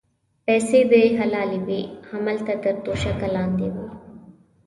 پیسې دې حلالې وې هملته تر توشکه لاندې وې.